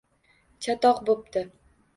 Chatoq bo‘pti.